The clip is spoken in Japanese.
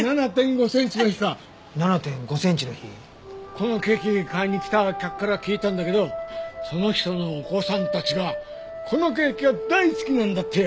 このケーキ買いに来た客から聞いたんだけどその人のお子さんたちがこのケーキが大好きなんだってよ。